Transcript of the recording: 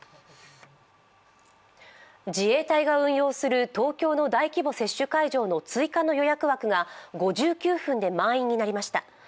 自衛隊が運用する東京の大規模接種会場の追加の予約枠が５９分で満員になりました。